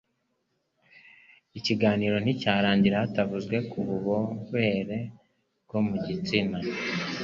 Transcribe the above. ikiganiro nticyarangira hatavuzwe ku bubobere bwo mu gitsina.